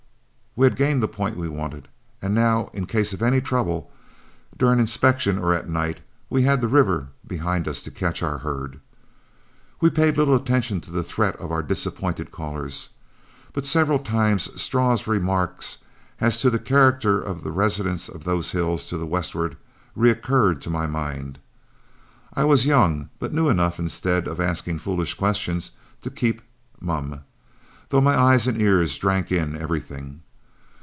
We had gained the point we wanted, and now in case of any trouble, during inspection or at night, we had the river behind us to catch our herd. We paid little attention to the threat of our disappointed callers, but several times Straw's remarks as to the character of the residents of those hills to the westward recurred to my mind. I was young, but knew enough, instead of asking foolish questions, to keep mum, though my eyes and ears drank in everything.